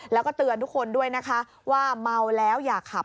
แล้วก็เตือนทุกคนด้วยนะคะว่าเมาแล้วอย่าขับ